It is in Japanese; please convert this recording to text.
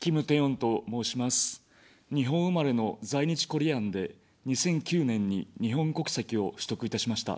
日本生まれの在日コリアンで２００９年に日本国籍を取得いたしました。